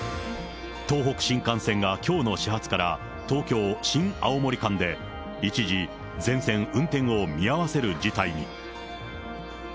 東北新幹線がきょうの始発から東京・新青森間で、一時全線運転を見合わせる事態に。